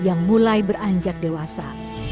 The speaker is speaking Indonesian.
yang mulai beranjak dewasa